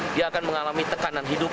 dia akan mengalami tekanan hidup